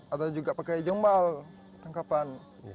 atau juga pakai jembal tangkapan